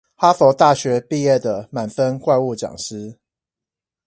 哈佛大學畢業的滿分怪物講師